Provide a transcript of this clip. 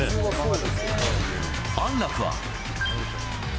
安楽は。